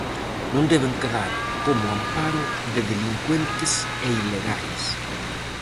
Non deben quedar como amparo de delincuentes e ilegais.